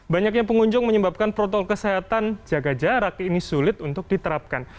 banyaknya pengunjung menyebabkan protokol kesehatan jaga jarak ini sulit untuk diterapkan